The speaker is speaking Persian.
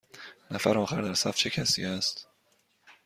نفر آخر در صف چه کسی است؟